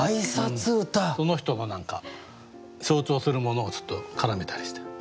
その人の象徴するものを絡めたりして。